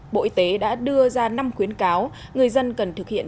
bộ y tế đã đưa ra năm khuyến cáo người dân cần thực hiện